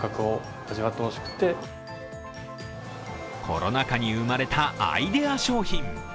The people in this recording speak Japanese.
コロナ禍に生まれたアイデア商品。